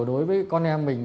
đối với con em mình